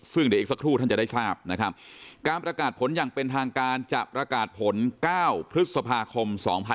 ซึ่งเดี๋ยวอีกสักครู่ท่านจะได้ทราบนะครับการประกาศผลอย่างเป็นทางการจะประกาศผล๙พฤษภาคม๒๕๖๒